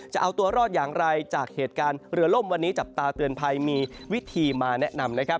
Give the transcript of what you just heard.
จะเอาตัวรอดอย่างไรจากเหตุการณ์เรือล่มวันนี้จับตาเตือนภัยมีวิธีมาแนะนำนะครับ